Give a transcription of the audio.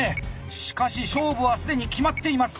しかし勝負は既に決まっています。